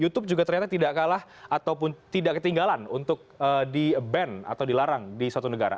youtube juga ternyata tidak kalah ataupun tidak ketinggalan untuk di ban atau dilarang di suatu negara